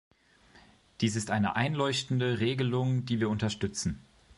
Dies ist eine einleuchtende Regelung, die wir unterstützen.